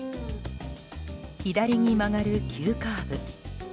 左に曲がる急カーブ。